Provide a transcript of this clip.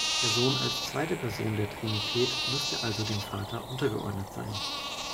Der Sohn als zweite Person der Trinität müsste also dem Vater untergeordnet sein.